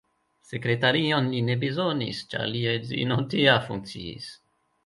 Sekretarion li ne bezonis, ĉar lia edzino tia funkciis.